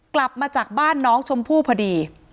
กลับมาจากบ้านน้องชมพู่พอดี